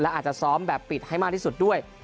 อาจจะซ้อมแบบปิดให้มากที่สุดด้วย